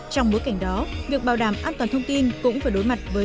trong bối cảnh đó việc bảo đảm